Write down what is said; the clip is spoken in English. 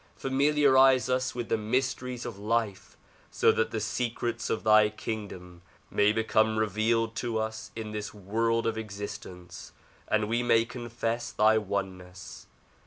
Familiarize us with the mysteries of life, so that the secrets of thy kingdom may become revealed to us in this world of existence and we may confess thy oneness.